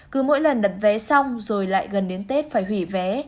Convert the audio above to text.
cứ mỗi lần đặt vé xong rồi lại gần đến tết phải hủy vé